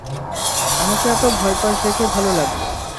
আমাকে এত ভয় পাস দেখে ভালো লাগল!